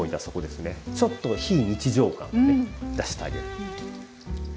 ちょっと非日常感をね出してあげる。